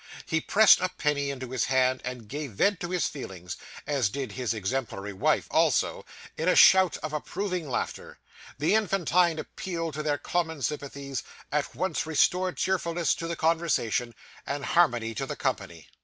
He pressed a penny into his hand, and gave vent to his feelings (as did his exemplary wife also), in a shout of approving laughter. The infantine appeal to their common sympathies, at once restored cheerfulness to the conversation, and harmony to the company.